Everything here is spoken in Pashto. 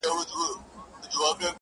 • خدای ورکړی په قدرت ښکلی جمال وو -